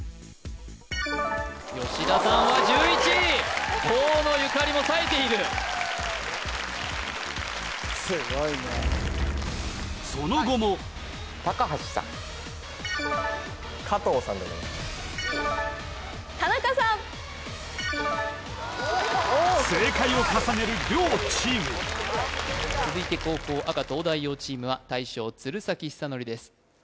吉田さんは１１位河野ゆかりも冴えているすごいねその後も正解を重ねる両チーム続いて後攻赤東大王チームは大将・鶴崎修功です